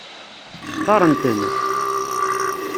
Xtaṛen-ten?